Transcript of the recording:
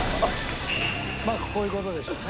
まあこういう事でしょうね。